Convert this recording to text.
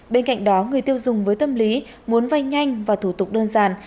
bên cạnh đó người tiêu dùng với tâm lý muốn vay nhanh và thủ tục đơn giản